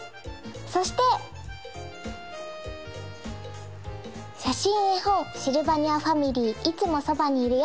そして写真絵本「シルバニアファミリーいつもそばにいるよ」